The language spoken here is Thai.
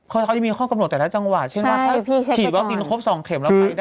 เขาจะมีข้อกำหนดแต่ละจังหวะใช่ไหมใช่พี่เช็คก่อนถือว่ากินครบสองเข็มแล้วไปได้